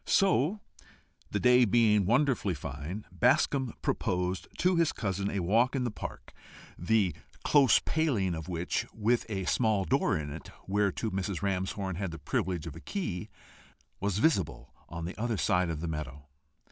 So, the day being wonderfully fine, Bascombe proposed to his cousin a walk in the park, the close paling of which, with a small door in it, whereto Mrs. Ramshorn had the privilege of a key, was visible on the other side of the meadow.